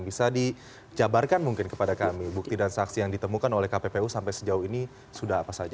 bisa dijabarkan mungkin kepada kami bukti dan saksi yang ditemukan oleh kppu sampai sejauh ini sudah apa saja